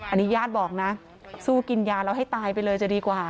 อันนี้ญาติบอกนะสู้กินยาแล้วให้ตายไปเลยจะดีกว่า